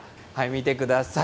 見てください。